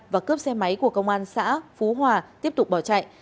và cướp xe máy của công an xã phú hòa tiếp tục bỏ chạy